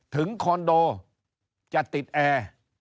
คอนโดจะติดแอร์